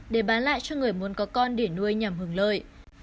để bán lại cho người muốn có con để nuôi nhằm hưởng lợi